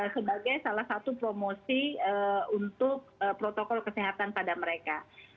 sebagaicelah satu promosi untuk protokol kesehatan pada mereka